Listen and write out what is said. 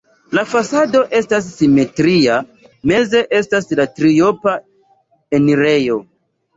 La fasado estas simetria, meze estas la triopa enirejo.